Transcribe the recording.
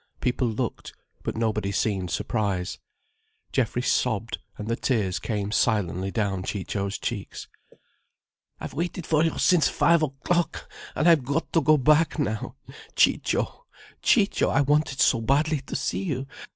People looked, but nobody seemed surprised. Geoffrey sobbed, and the tears came silently down Ciccio's cheeks. "I've waited for you since five o'clock, and I've got to go back now. Ciccio! Ciccio! I wanted so badly to see you.